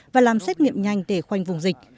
và làm xét nghiệm nhanh để khoanh vùng dịch